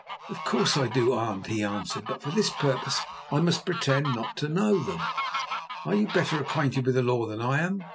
"Of course I do, aunt," he answered; "but for this purpose I must pretend not to know them. Are you better acquainted with the law than I am?